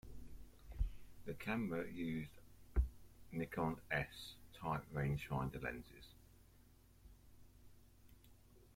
The camera used Nikon 'S' type rangefinder lenses.